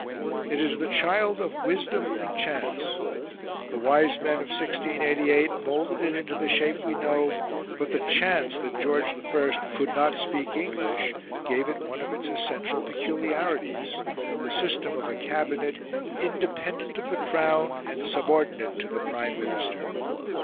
It is the child of wisdom and chance. The wise men of 1688 moulded it into the shape we know, but the chance that George I could not speak English gave it one of its essential peculiarities the system of a Cabinet independent of the Crown and subordinate to the Prime Minister.